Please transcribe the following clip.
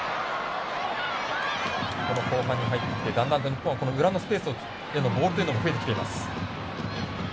後半に入って日本は裏のスペースへのボールというのが増えてきています。